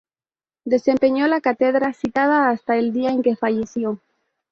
Desempeñó la cátedra citada hasta el día en que falleció.